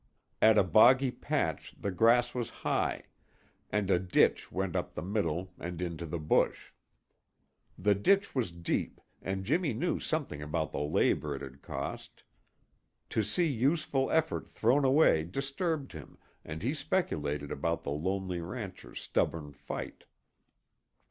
At a boggy patch the grass was high, and a ditch went up the middle and into the bush. The ditch was deep and Jimmy knew something about the labor it had cost. To see useful effort thrown away disturbed him and he speculated about the lonely rancher's stubborn fight.